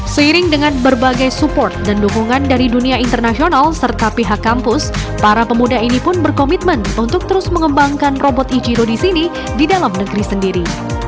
seiring dengan berbagai support dan dukungan dari dunia internasional serta pihak kampus para pemuda ini pun berkomitmen untuk terus mengembangkan robot ichiro di sini di dalam negeri sendiri